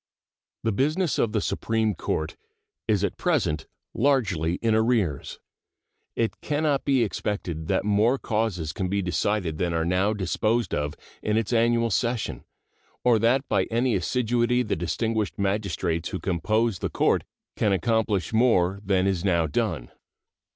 The business of the Supreme Court is at present largely in arrears. It can not be expected that more causes can be decided than are now disposed of in its annual session, or that by any assiduity the distinguished magistrates who compose the court can accomplish more than is now done.